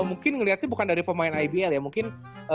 ya mungkin ngeliatnya bukan dari pemain ibl ya mungkin